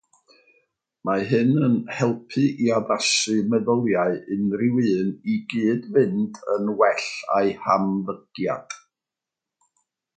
Mae hyn yn helpu i ail-addasu meddyliau rhywun i gyd-fynd yn well â'u hymddygiad.